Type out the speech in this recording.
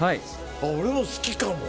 俺も好きかも。